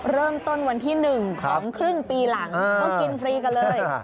เริ่มต้นวันที่๑ของครึ่งปีหลังก็กินฟรีกันเลย